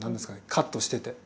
カットしてて。